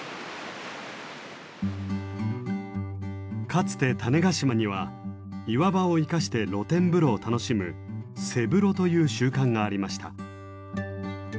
かつて種子島には岩場を生かして露天風呂を楽しむ瀬風呂という習慣がありました。